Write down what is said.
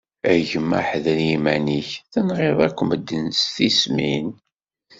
A gma ḥder iman-ik, tenɣiḍ akk medden s tismin.